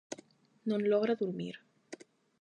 Non logra durmir.